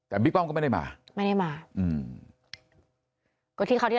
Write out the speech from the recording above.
แต่พี่ป้องก็ไม่ได้มา